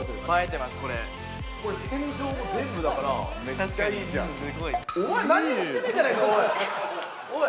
これ天井も全部だからめっちゃいいじゃんおい！